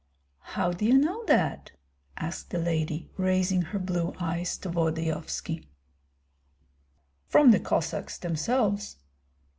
"How do you know that?" asked the lady, raising her blue eyes to Volodyovski. "From the Cossacks themselves.